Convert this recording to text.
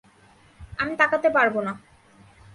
আমি তাকাতে পারব না।